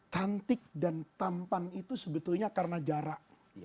cantik dan tampan itu sebetulnya karena jarak